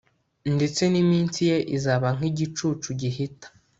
ndetse n'iminsi ye izaba nk'igicucu gihita